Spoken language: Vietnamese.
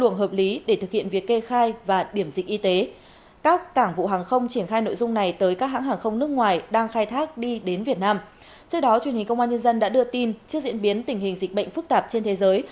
trước đó truyền hình công an nhân dân đã đưa tin trước diễn biến tình hình dịch bệnh phức tạp trên thế giới